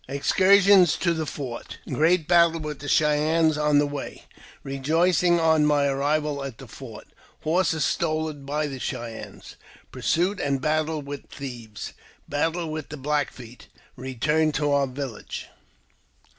Excursion to the Fort — Great Battle with the Cheyennes on the way— Re joicing on my Arrival at the Fort — Horses stolen by the Cheyennes Pursuit and Battle with the Thieves — Battle with the Black Feet Eeturn to our Village.